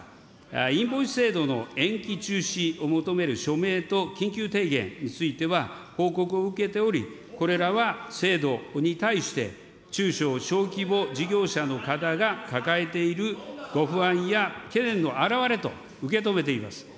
インボイス制度の延期中止を求める署名と緊急提言については、報告を受けており、これらは制度に対して中小・小規模事業者の方が抱えているご不安や懸念の表れと受け止めています。